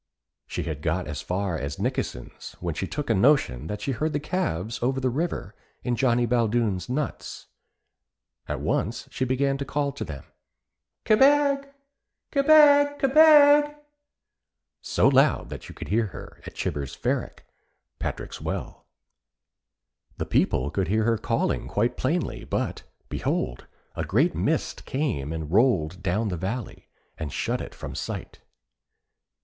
She had got as far as Nikkesen's, when she took a notion that she heard the calves over the river in Johnny Baldoon's nuts. At once she began to call to them: 'Kebeg! Kebeg! Kebeg!' so loud that you could hear her at Chibber Pherick, Patrick's Well. The people could hear her calling quite plainly, but, behold, a great mist came and rolled down the valley, and shut it from sight.